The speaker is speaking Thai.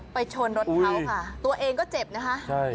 ชนรถเขาค่ะตัวเองก็เจ็บนะคะใช่